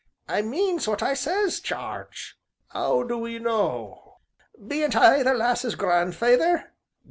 "I means what I says, Jarge." "How do 'ee know?" "Bean't I the lass's gran'feyther?"